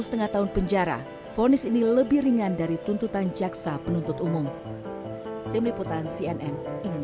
setengah tahun penjara fonis ini lebih ringan dari tuntutan jaksa penuntut umum tim liputan cnn indonesia